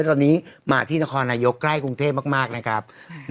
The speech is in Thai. ตอนนี้มาที่นครนายกใกล้กรุงเทพมากนะครับ